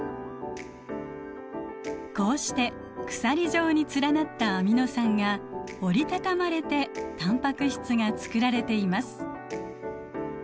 こうして鎖状に連なったアミノ酸が折り畳まれてタンパク質が作られています。